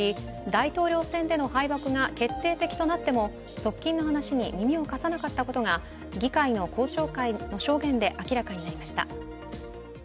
大統領選での敗北が決定的となっても側近の話に耳を貸さなかったことが議会の公聴会の証言で明らかになりました。